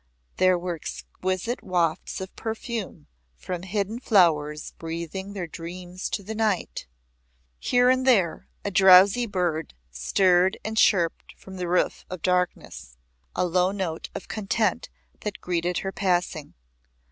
There were exquisite wafts of perfume from hidden flowers breathing their dreams to the night. Here and there a drowsy bird stirred and chirped from the roof of darkness, a low note of content that greeted her passing.